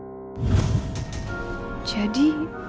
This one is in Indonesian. bukan dari andi